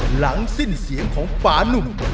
หลังสิ้นเสียงของฝานุ่ม